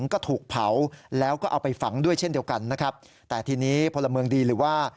ก็เอาไปฝังด้วยเช่นเดียวกันแต่ทีนี้พลเมืองดีหรือว่า